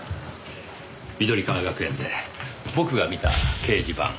緑川学園で僕が見た掲示板。